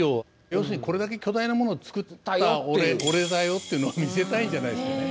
要するにこれだけ巨大な物を造ったよっていう俺だよっていうのを見せたいんじゃないですかね。